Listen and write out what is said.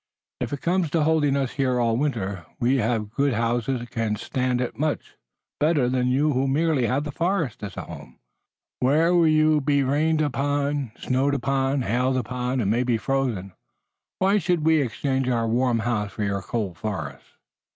If it comes to holding us here all winter we who have good houses can stand it much better than you who merely have the forest as a home, where you will be rained upon, snowed upon, hailed upon, and maybe frozen. Why should we exchange our warm house for your cold forest?"